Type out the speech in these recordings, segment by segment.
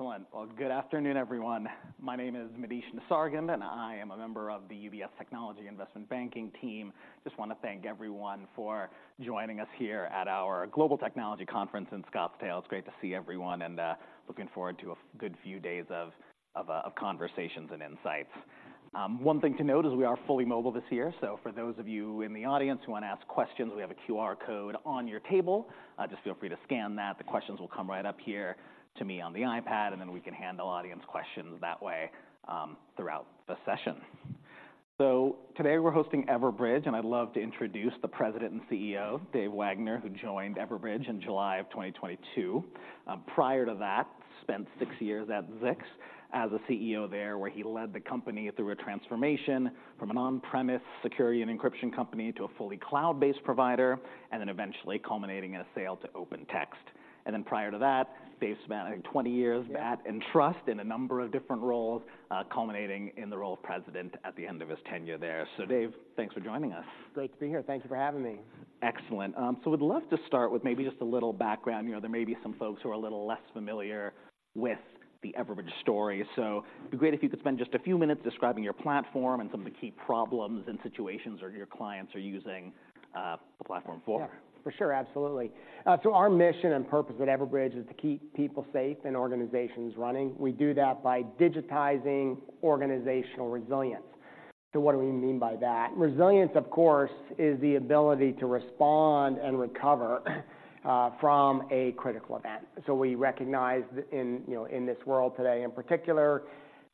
Excellent. Well, good afternoon, everyone. My name is Mridul Nesargi, and I am a member of the UBS Technology Investment Banking team. Just want to thank everyone for joining us here at our Global Technology Conference in Scottsdale. It's great to see everyone, and looking forward to a good few days of conversations and insights. One thing to note is we are fully mobile this year, so for those of you in the audience who want to ask questions, we have a QR code on your table. Just feel free to scan that. The questions will come right up here to me on the iPad, and then we can handle audience questions that way throughout the session. So today, we're hosting Everbridge, and I'd love to introduce the President and CEO, Dave Wagner, who joined Everbridge in July 2022. Prior to that, spent six years at Zix as a CEO there, where he led the company through a transformation from an on-premise security and encryption company to a fully cloud-based provider, and then eventually culminating in a sale to OpenText. And then prior to that, Dave spent, I think, 20 years at Entrust in a number of different roles, culminating in the role of President at the end of his tenure there. So Dave, thanks for joining us. Great to be here. Thank you for having me. Excellent. So we'd love to start with maybe just a little background. You know, there may be some folks who are a little less familiar with the Everbridge story. So it'd be great if you could spend just a few minutes describing your platform and some of the key problems and situations that your clients are using the platform for. Yeah, for sure. Absolutely. So our mission and purpose at Everbridge is to keep people safe and organizations running. We do that by digitizing organizational resilience. So what do we mean by that? Resilience, of course, is the ability to respond and recover from a critical event. So we recognize in, you know, in this world today,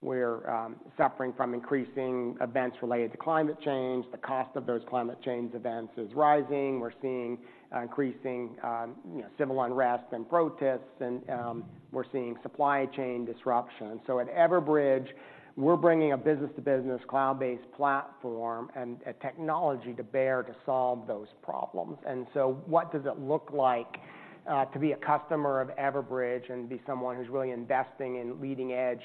in particular, we're suffering from increasing events related to climate change. The cost of those climate change events is rising. We're seeing increasing, you know, civil unrest and protests, and we're seeing supply chain disruption. So at Everbridge, we're bringing a business-to-business, cloud-based platform and a technology to bear to solve those problems. And so what does it look like to be a customer of Everbridge and be someone who's really investing in leading-edge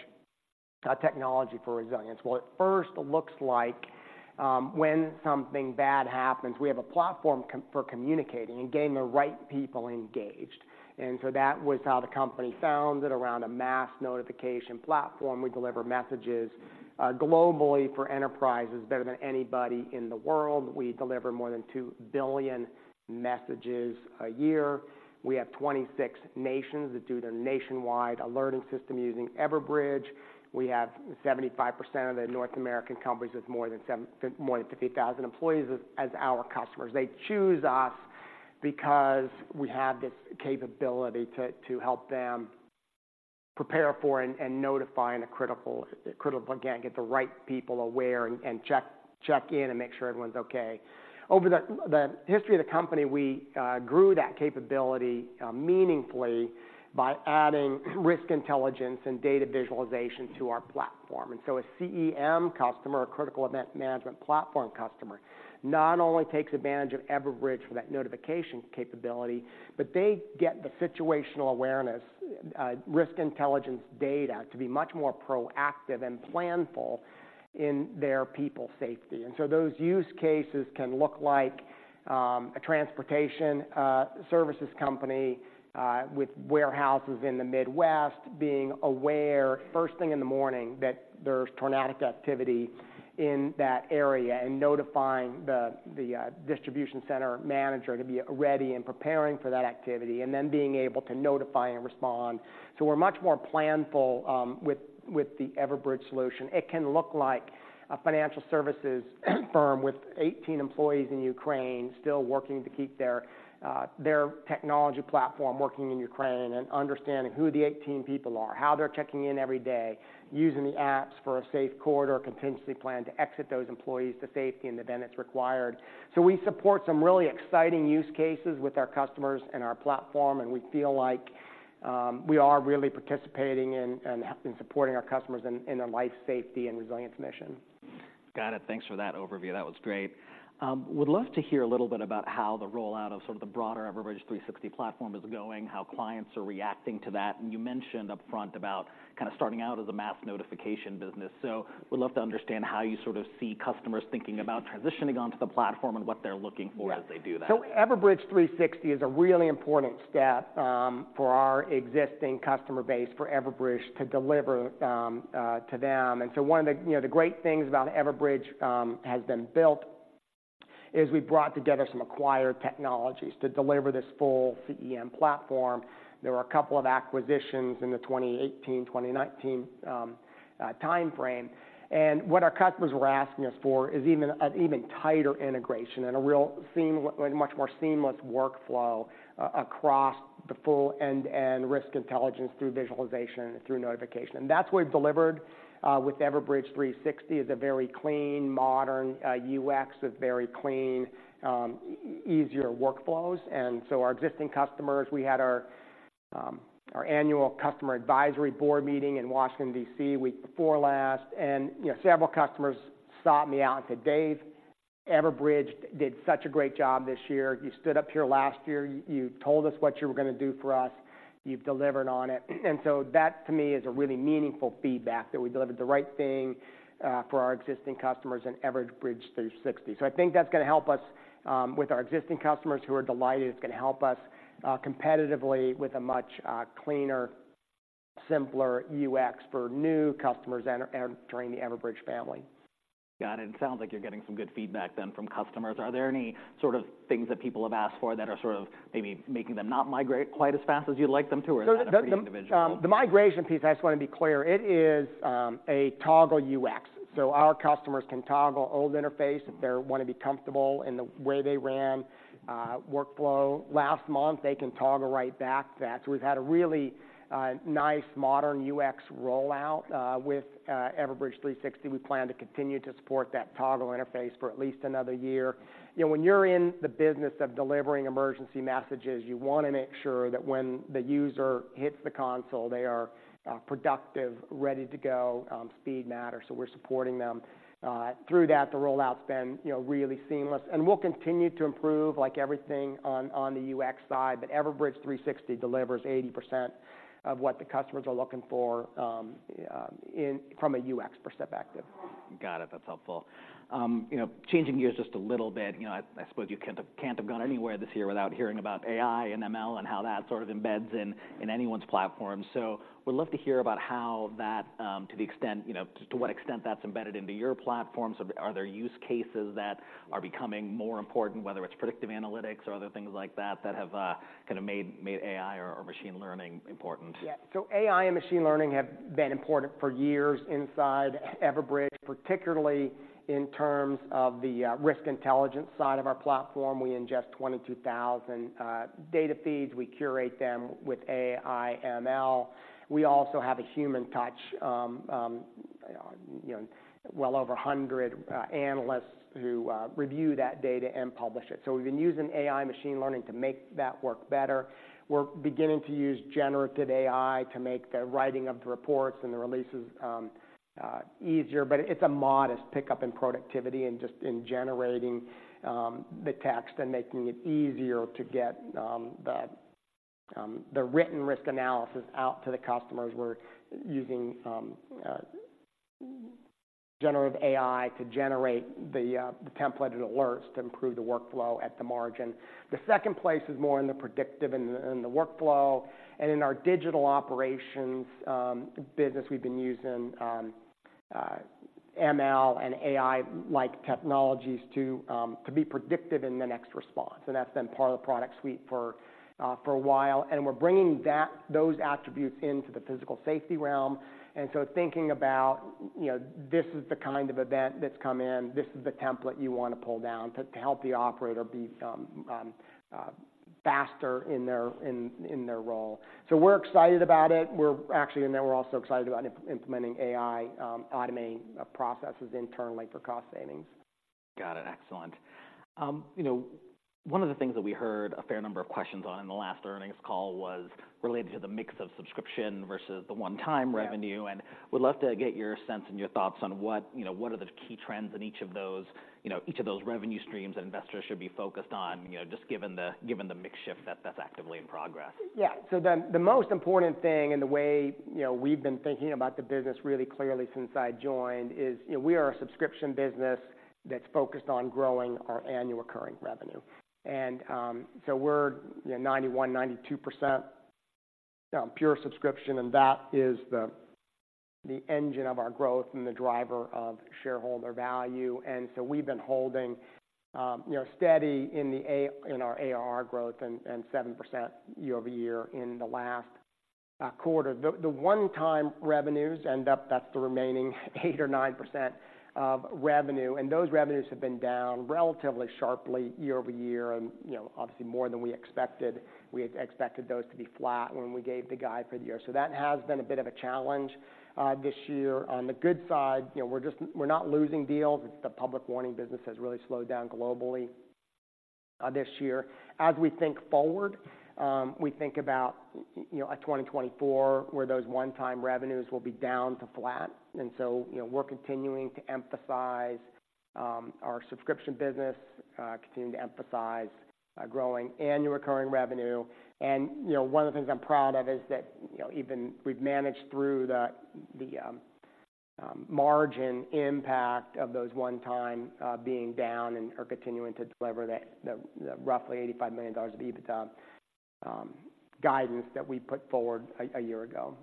technology for resilience? Well, it first looks like when something bad happens, we have a platform for communicating and getting the right people engaged. And so that was how the company founded around a Mass Notification platform. We deliver messages globally for enterprises better than anybody in the world. We deliver more than 2 billion messages a year. We have 26 nations that do their nationwide alerting system using Everbridge. We have 75% of the North American companies with more than 50,000 employees as our customers. They choose us because we have this capability to help them prepare for and notify in a critical event, get the right people aware and check in and make sure everyone's okay. Over the history of the company, we grew that capability meaningfully by adding Risk Intelligence and data visualization to our platform. And so a CEM customer, a Critical Event Management platform customer, not only takes advantage of Everbridge for that notification capability, but they get the situational awareness, Risk Intelligence data to be much more proactive and planful in their people safety. And so those use cases can look like a transportation services company with warehouses in the Midwest, being aware first thing in the morning that there's tornadic activity in that area, and notifying the distribution center manager to be ready and preparing for that activity, and then being able to notify and respond. So we're much more planful with the Everbridge solution. It can look like a financial services firm with 18 employees in Ukraine still working to keep their, their technology platform working in Ukraine and understanding who the 18 people are, how they're checking in every day, using the apps for a Safe Corridor contingency plan to exit those employees to safety and the events required. So we support some really exciting use cases with our customers and our platform, and we feel like, we are really participating and, and supporting our customers in, in their life, safety, and resilience mission. Got it. Thanks for that overview. That was great. Would love to hear a little bit about how the rollout of sort of the broader Everbridge 360 platform is going, how clients are reacting to that. You mentioned upfront about kind of starting out as a Mass Notification business. Would love to understand how you sort of see customers thinking about transitioning onto the platform and what they're looking for- Yeah as they do that. So Everbridge 360 is a really important step for our existing customer base for Everbridge to deliver to them. And so one of the, you know, the great things about Everbridge has been built is we brought together some acquired technologies to deliver this full CEM platform. There were a couple of acquisitions in the 2018, 2019 timeframe, and what our customers were asking us for is an even tighter integration and a much more seamless workflow across the full end-to-end Risk Intelligence through visualization and through notification. And that's what we've delivered with Everbridge 360 is a very clean, modern UX with very clean, easier workflows. So our existing customers, we had our annual customer advisory board meeting in Washington, D.C., week before last, and, you know, several customers sought me out and said, "Dave, Everbridge did such a great job this year. You stood up here last year, you told us what you were gonna do for us. You've delivered on it." And so that, to me, is a really meaningful feedback that we delivered the right thing for our existing customers in Everbridge 360. So I think that's gonna help us with our existing customers who are delighted. It's gonna help us competitively with a much cleaner, simpler UX for new customers entering the Everbridge family. Got it. Sounds like you're getting some good feedback then from customers. Are there any sort of things that people have asked for that are sort of maybe making them not migrate quite as fast as you'd like them to, or is that a pretty individual? The migration piece, I just wanna be clear, it is a toggle UX. So our customers can toggle old interface if they're wanna be comfortable in the way they ran workflow last month, they can toggle right back to that. So we've had a really nice modern UX rollout with Everbridge 360. We plan to continue to support that toggle interface for at least another year. You know, when you're in the business of delivering emergency messages, you wanna make sure that when the user hits the console, they are productive, ready to go. Speed matters, so we're supporting them through that. The rollout's been, you know, really seamless, and we'll continue to improve, like everything, on the UX side. But Everbridge 360 delivers 80% of what the customers are looking for in... from a UX perspective. Got it. That's helpful. You know, changing gears just a little bit, you know, I suppose you can't have, can't have gone anywhere this year without hearing about AI and ML, and how that sort of embeds in, in anyone's platform. So would love to hear about how that, to the extent, you know, just to what extent that's embedded into your platform. So are there use cases that are becoming more important, whether it's predictive analytics or other things like that, that have, kind of made, made AI or machine learning important? Yeah. So AI and machine learning have been important for years inside Everbridge, particularly in terms of the Risk Intelligence side of our platform. We ingest 22,000 data feeds. We curate them with AI, ML. We also have a human touch, you know, well over 100 analysts who review that data and publish it. So we've been using AI machine learning to make that work better. We're beginning to use generative AI to make the writing of the reports and the releases easier, but it's a modest pickup in productivity and just in generating the text and making it easier to get the written risk analysis out to the customers. We're using generative AI to generate the templated alerts to improve the workflow at the margin. The second place is more in the predictive and the workflow, and in our Digital Operations, business, we've been using ML and AI-like technologies to be predictive in the next response, and that's been part of the product suite for a while. We're bringing those attributes into the physical safety realm, and so thinking about, you know, this is the kind of event that's come in, this is the template you wanna pull down to help the operator be faster in their role. So we're excited about it. We're actually, and then we're also excited about implementing AI, automating processes internally for cost savings. Got it. Excellent. You know, one of the things that we heard a fair number of questions on in the last earnings call was related to the mix of subscription versus the one-time revenue- Yeah... and would love to get your sense and your thoughts on what, you know, what are the key trends in each of those, you know, each of those revenue streams that investors should be focused on, you know, just given the mix shift that's actively in progress? Yeah. So the most important thing in the way, you know, we've been thinking about the business really clearly since I joined is, you know, we are a subscription business that's focused on growing our annual recurring revenue. And, so we're, you know, 91%-92% pure subscription, and that is the engine of our growth and the driver of shareholder value. And so we've been holding, you know, steady in our ARR growth and 7% year-over-year in the last quarter. The one-time revenues, and that's the remaining 8%-9% of revenue, and those revenues have been down relatively sharply year-over-year, and, you know, obviously more than we expected. We had expected those to be flat when we gave the guide for the year. So that has been a bit of a challenge this year. On the good side, you know, we're just not losing deals. The Public Warning business has really slowed down globally this year. As we think forward, we think about you know 2024, where those one-time revenues will be down to flat. And so, you know, we're continuing to emphasize our subscription business, continuing to emphasize growing annual recurring revenue. And, you know, one of the things I'm proud of is that, you know, even we've managed through the margin impact of those one-time being down and are continuing to deliver the roughly $85 million of EBITDA guidance that we put forward a year ago.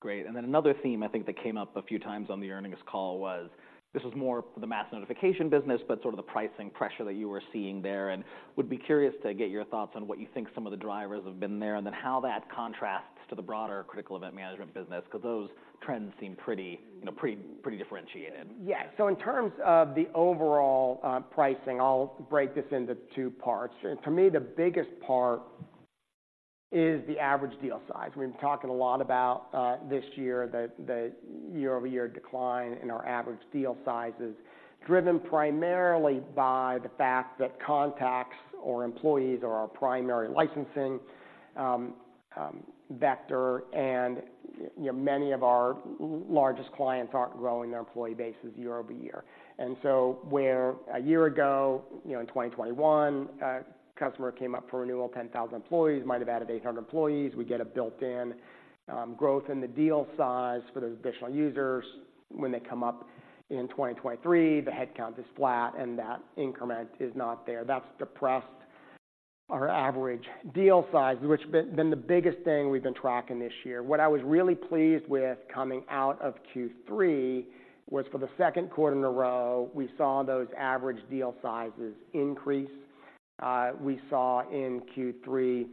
Great. And then another theme I think that came up a few times on the earnings call was, this was more the Mass Notification business, but sort of the pricing pressure that you were seeing there, and would be curious to get your thoughts on what you think some of the drivers have been there, and then how that contrasts to the broader critical event management business, because those trends seem pretty, you know, pretty, pretty differentiated. Yeah. So in terms of the overall pricing, I'll break this into two parts. For me, the biggest part is the average deal size. We've been talking a lot about this year, the year-over-year decline in our average deal sizes, driven primarily by the fact that contacts or employees are our primary licensing vector. You know, many of our largest clients aren't growing their employee bases year over year. And so where a year ago, you know, in 2021, a customer came up for renewal, 10,000 employees, might have added 800 employees, we get a built-in growth in the deal size for those additional users. When they come up in 2023, the headcount is flat, and that increment is not there. That's depressed-... Our average deal size, which has been the biggest thing we've been tracking this year. What I was really pleased with coming out of Q3 was for the Q2 in a row, we saw those average deal sizes increase. We saw in Q3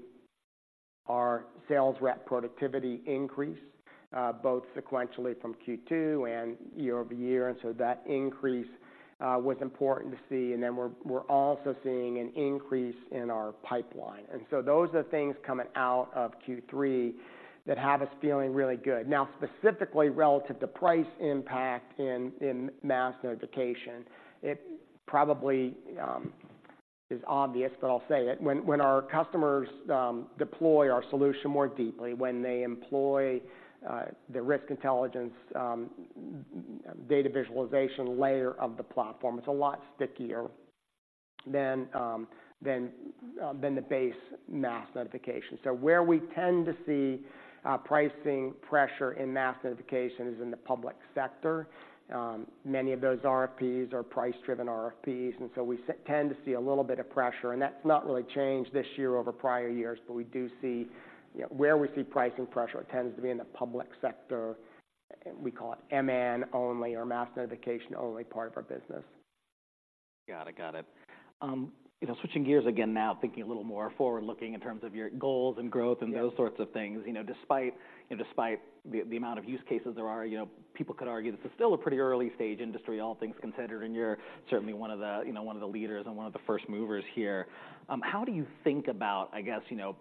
our sales rep productivity increase, both sequentially from Q2 and year-over-year, and so that increase was important to see. Then we're also seeing an increase in our pipeline. And so those are the things coming out of Q3 that have us feeling really good. Now, specifically relative to price impact in Mass Notification, it probably is obvious, but I'll say it. When our customers deploy our solution more deeply, when they employ the Risk Intelligence data visualization layer of the platform, it's a lot stickier than the base Mass Notification. So where we tend to see pricing pressure in Mass Notification is in the public sector. Many of those RFPs are price-driven RFPs, and so we tend to see a little bit of pressure, and that's not really changed this year over prior years, but we do see, you know, where we see pricing pressure tends to be in the public sector. We call it MN only or Mass Notification only part of our business. Got it. Got it. You know, switching gears again now, thinking a little more forward-looking in terms of your goals and growth- Yeah and those sorts of things. You know, despite, you know, despite the amount of use cases there are, you know, people could argue this is still a pretty early stage industry, all things considered, and you're certainly one of the, you know, one of the leaders and one of the first movers here. How do you think about, I guess, you know,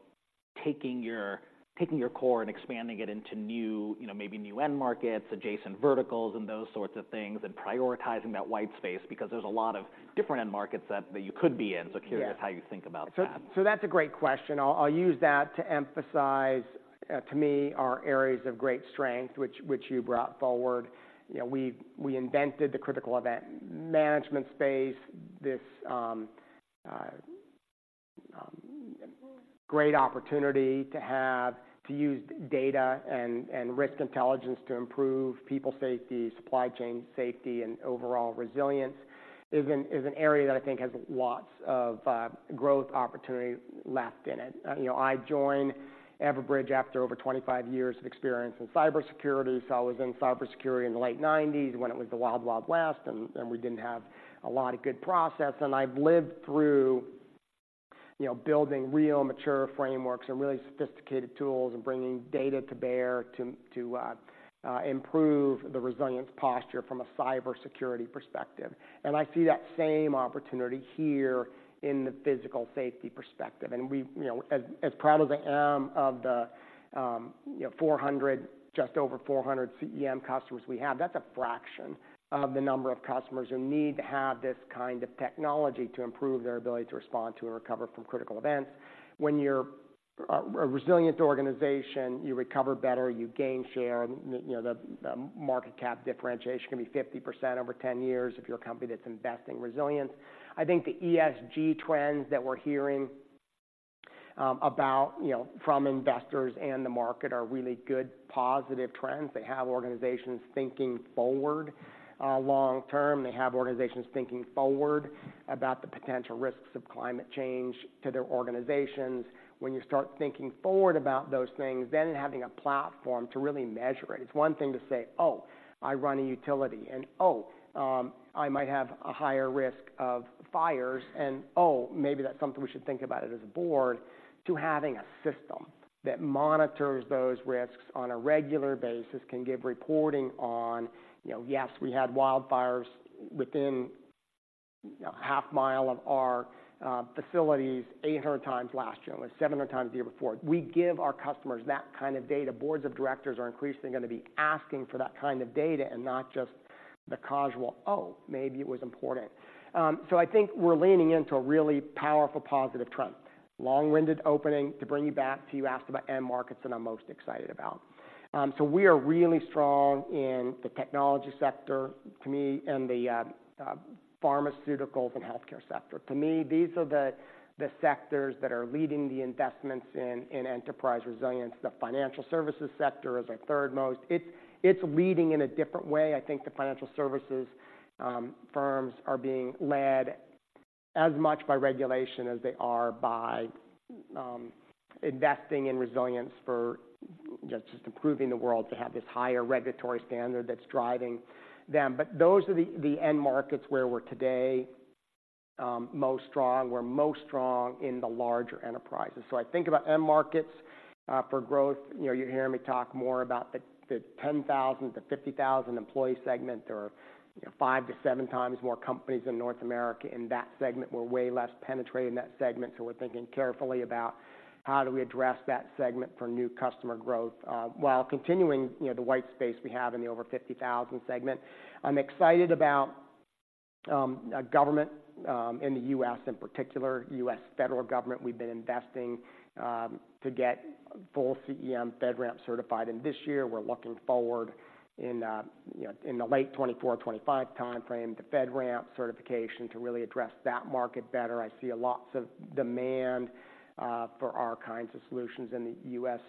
taking your, taking your core and expanding it into new, you know, maybe new end markets, adjacent verticals, and those sorts of things, and prioritizing that white space? Because there's a lot of different end markets that you could be in. Yeah. So, curious how you think about that. So, that's a great question. I'll use that to emphasize, to me, our areas of great strength, which you brought forward. You know, we invented the critical event management space. This great opportunity to have to use data and Risk Intelligence to improve people safety, supply chain safety, and overall resilience is an area that I think has lots of growth opportunity left in it. You know, I joined Everbridge after over 25 years of experience in cybersecurity. So I was in cybersecurity in the late 1990s when it was the wild, wild West, and we didn't have a lot of good process. And I've lived through, you know, building real mature frameworks and really sophisticated tools and bringing data to bear to improve the resilience posture from a cybersecurity perspective. I see that same opportunity here in the physical safety perspective. We, you know, as proud as I am of the, you know, 400, just over 400 CEM customers we have, that's a fraction of the number of customers who need to have this kind of technology to improve their ability to respond to and recover from critical events. When you're a resilient organization, you recover better, you gain share. You know, the market cap differentiation can be 50% over 10 years if you're a company that's investing in resilience. I think the ESG trends that we're hearing, about, you know, from investors and the market are really good, positive trends. They have organizations thinking forward, long term. They have organizations thinking forward about the potential risks of climate change to their organizations. When you start thinking forward about those things, then having a platform to really measure it. It's one thing to say, "Oh, I run a utility," and, "Oh, I might have a higher risk of fires," and, "Oh, maybe that's something we should think about it as a board," to having a system that monitors those risks on a regular basis, can give reporting on, you know, "Yes, we had wildfires within, you know, a half mile of our facilities 800 times last year, or 700 times the year before." We give our customers that kind of data. Boards of directors are increasingly gonna be asking for that kind of data, and not just the casual, "Oh, maybe it was important." So I think we're leaning into a really powerful positive trend. Long-winded opening to bring you back to you asked about end markets that I'm most excited about. So we are really strong in the technology sector, to me, and the pharmaceuticals and healthcare sector. To me, these are the sectors that are leading the investments in enterprise resilience. The financial services sector is our third most. It's leading in a different way. I think the financial services firms are being led as much by regulation as they are by investing in resilience for just improving the world to have this higher regulatory standard that's driving them. But those are the end markets where we're today most strong. We're most strong in the larger enterprises. So I think about end markets for growth. You know, you're hearing me talk more about the ten thousand to fifty thousand employee segment. There are five to seven times more companies in North America in that segment. We're way less penetrated in that segment, so we're thinking carefully about how do we address that segment for new customer growth, while continuing, you know, the white space we have in the over fifty thousand segment. I'm excited about government in the U.S., in particular, U.S. federal government. We've been investing to get full CEM FedRAMP certified, and this year we're looking forward in, you know, in the late 2024-2025 timeframe, the FedRAMP certification to really address that market better. I see lots of demand for our kinds of solutions in the U.S.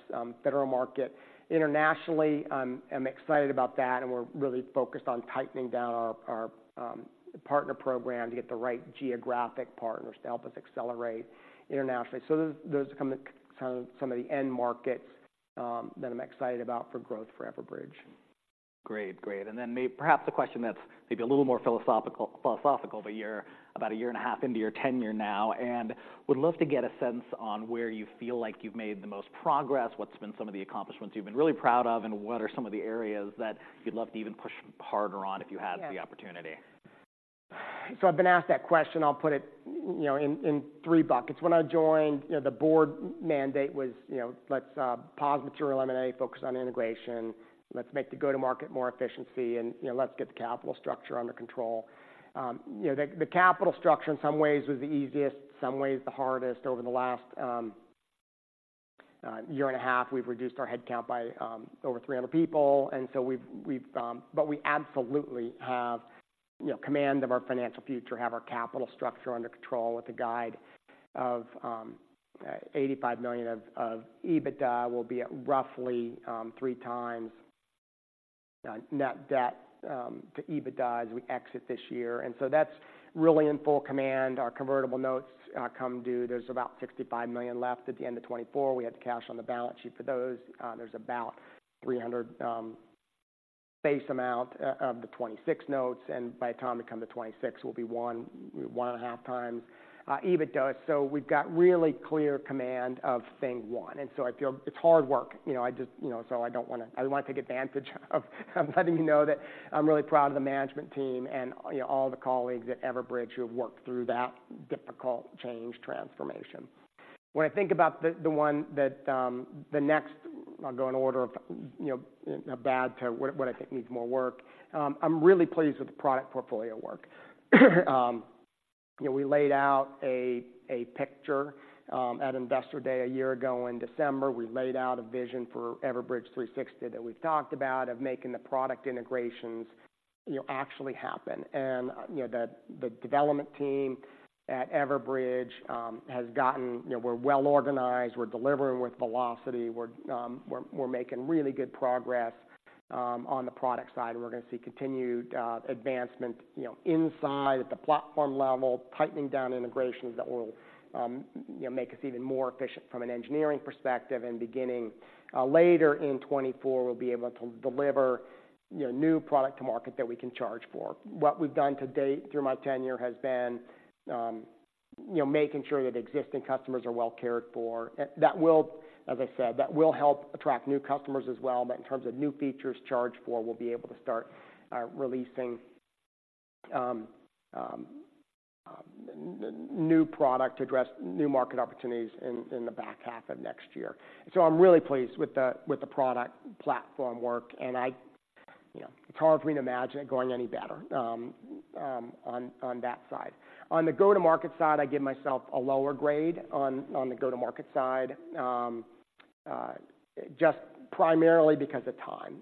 federal market. Internationally, I'm excited about that, and we're really focused on tightening down our partner program to get the right geographic partners to help us accelerate internationally. So those are kind of some of the end markets that I'm excited about for growth for Everbridge. Great. Great. And then perhaps the question that's maybe a little more philosophical, but you're about a year and a half into your tenure now, and would love to get a sense on where you feel like you've made the most progress. What's been some of the accomplishments you've been really proud of, and what are some of the areas that you'd love to even push harder on if you had the opportunity? So I've been asked that question. I'll put it, you know, in three buckets. When I joined, you know, the board mandate was, you know, let's pause material M&A, focus on integration. Let's make the go-to-market more efficiency, and, you know, let's get the capital structure under control. You know, the capital structure in some ways was the easiest, some ways the hardest. Over the last year and a half, we've reduced our headcount by over 300 people, and so we've. But we absolutely have, you know, command of our financial future, have our capital structure under control with a guide of $85 million of EBITDA. We'll be at roughly 3x net debt to EBITDA as we exit this year, and so that's really in full command. Our convertible notes come due. There's about $65 million left at the end of 2024. We had the cash on the balance sheet for those. There's about 300 base amount of the 2026 notes, and by the time we come to 2026, we'll be 1-1.5 times EBITDA. So we've got really clear command of thing one, and so I feel it's hard work. You know, I just, you know, so I don't want to take advantage of letting you know that I'm really proud of the management team and, you know, all the colleagues at Everbridge who have worked through that difficult change transformation. When I think about the one that the next... I'll go in order of, you know, bad to what I think needs more work. I'm really pleased with the product portfolio work. You know, we laid out a picture at Investor Day a year ago in December. We laid out a vision for Everbridge 360 that we've talked about, of making the product integrations, you know, actually happen. And, you know, the development team at Everbridge has gotten. You know, we're well organized. We're delivering with velocity. We're making really good progress on the product side, and we're gonna see continued advancement, you know, inside at the platform level, tightening down integrations that will, you know, make us even more efficient from an engineering perspective. And beginning later in 2024, we'll be able to deliver, you know, new product to market that we can charge for. What we've done to date through my tenure has been, you know, making sure that existing customers are well cared for. That will, as I said, that will help attract new customers as well, but in terms of new features charged for, we'll be able to start releasing new product to address new market opportunities in the back half of next year. So I'm really pleased with the product platform work, and I... You know, it's hard for me to imagine it going any better on that side. On the go-to-market side, I give myself a lower grade on the go-to-market side just primarily because of time.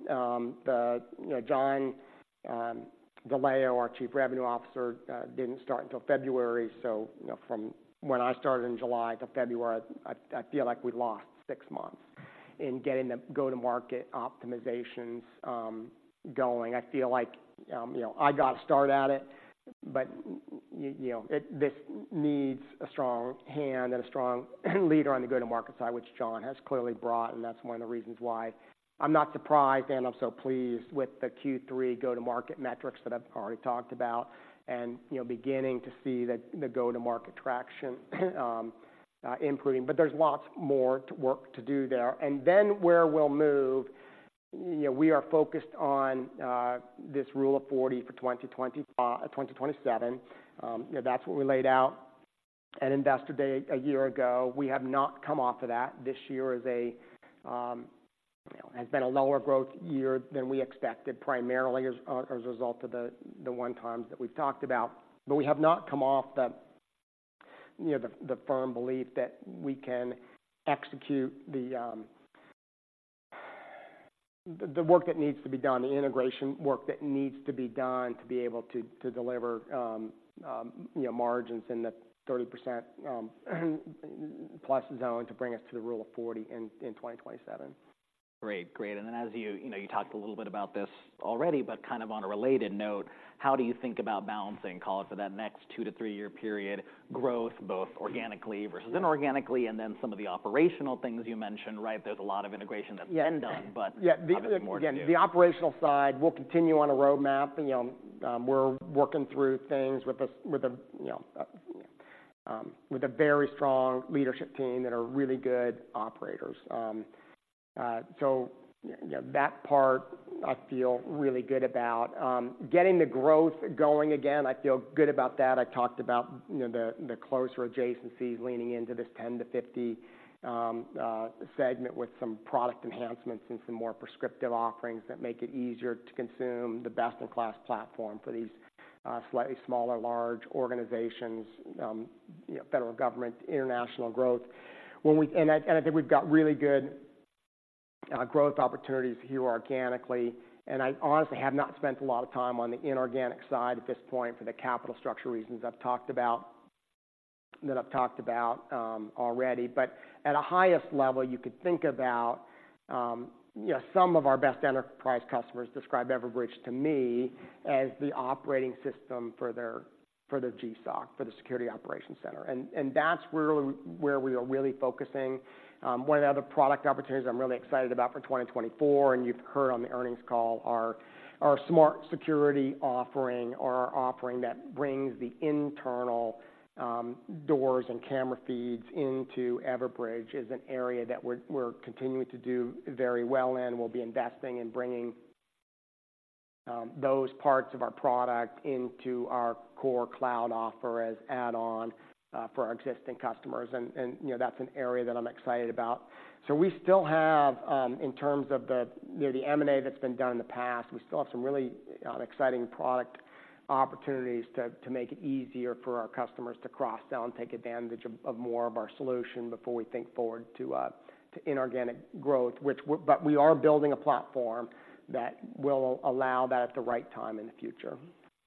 You know, John DiLeo, our Chief Revenue Officer, didn't start until February. So, you know, from when I started in July to February, I feel like we lost six months in getting the go-to-market optimizations going. I feel like, you know, I got a start at it, but you know, this needs a strong hand and a strong leader on the go-to-market side, which John has clearly brought, and that's one of the reasons why I'm not surprised, and I'm so pleased with the Q3 go-to-market metrics that I've already talked about. You know, beginning to see the go-to-market traction improving. But there's lots more work to do there. Then, where we'll move, you know, we are focused on this Rule of Forty for 2025-2027. You know, that's what we laid out at Investor Day a year ago. We have not come off of that. This year is, you know, has been a lower growth year than we expected, primarily as a result of the one-times that we've talked about. But we have not come off the, you know, the firm belief that we can execute the work that needs to be done, the integration work that needs to be done to be able to deliver, you know, margins in the 30% plus zone to bring us to the Rule of Forty in 2027. Great. Great. And then as you... You know, you talked a little bit about this already, but kind of on a related note, how do you think about balancing, call it, for that next 2-3-year period, growth, both organically versus inorganically, and then some of the operational things you mentioned, right? There's a lot of integration that's been done, but- Yeah. Obviously more to do. Again, the operational side will continue on a roadmap. You know, we're working through things with a you know, with a very strong leadership team that are really good operators. So yeah, that part I feel really good about. Getting the growth going again, I feel good about that. I talked about, you know, the, the closer adjacencies leaning into this 10-50 segment with some product enhancements and some more prescriptive offerings that make it easier to consume the best-in-class platform for these slightly smaller, large organizations, you know, federal government, international growth. And I think we've got really good-... Growth opportunities here organically, and I honestly have not spent a lot of time on the inorganic side at this point for the capital structure reasons I've talked about already. But at a highest level, you could think about, you know, some of our best enterprise customers describe Everbridge to me as the operating system for their GSOC, the security operations center. And that's really where we are really focusing. One of the other product opportunities I'm really excited about for 2024, and you've heard on the earnings call, are our smart security offering, or our offering that brings the internal doors and camera feeds into Everbridge, is an area that we're continuing to do very well in. We'll be investing in bringing those parts of our product into our core cloud offer as add-on for our existing customers. And you know, that's an area that I'm excited about. So we still have, in terms of the, you know, the M&A that's been done in the past, we still have some really exciting product opportunities to make it easier for our customers to cross-sell and take advantage of more of our solution before we think forward to inorganic growth, but we are building a platform that will allow that at the right time in the future.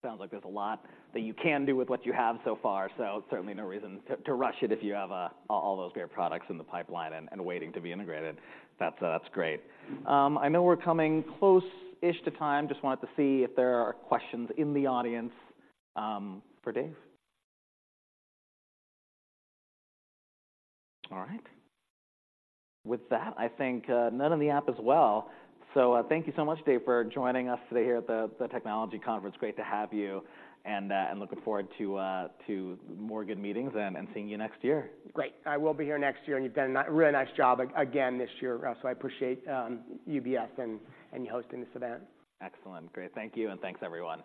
Sounds like there's a lot that you can do with what you have so far, so certainly no reason to rush it if you have all those great products in the pipeline and waiting to be integrated. That's great. I know we're coming close-ish to time. Just wanted to see if there are questions in the audience for Dave. All right. With that, I think none in the app as well. So, thank you so much, Dave, for joining us today here at the technology conference. Great to have you, and looking forward to more good meetings and seeing you next year. Great. I will be here next year, and you've done a really nice job, again, this year, Russ, so I appreciate UBS and you hosting this event. Excellent. Great. Thank you, and thanks everyone.